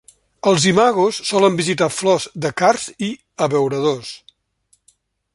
Els imagos solen visitar flors de cards i abeuradors.